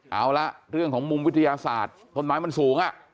เอาละเรื่องของมุมวิทยาศาสตร์ต้นไม้มันสูง